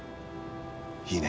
いいね。